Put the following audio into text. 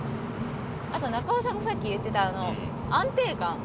あと中尾さんがさっき言ってた安定感？